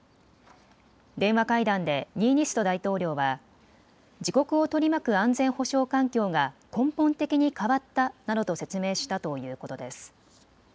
電話会談でニーニスト大統領は自国を取り巻く安全保障環境が根本的に変わったなどと説明したということです。